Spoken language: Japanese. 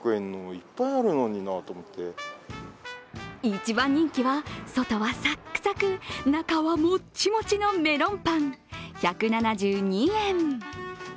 一番人気は、外はさくさく、中はもちもちのメロンパン１７２円。